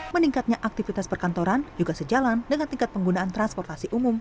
meningkatnya aktivitas perkantoran juga sejalan dengan tingkat penggunaan transportasi umum